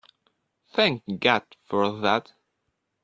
Thank God for that!